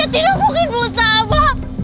tidak mungkin buta